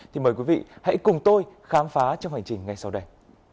thì mời quý vị hãy cùng tôi khám phá trong hành trình ngay sau đây